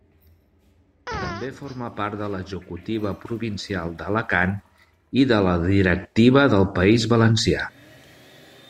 També forma part de l'executiva provincial d'Alacant i de la directiva del País Valencià.